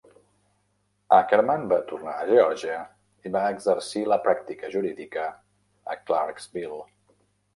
Akerman va tornar a Geòrgia i va exercir la pràctica jurídica a Clarksville.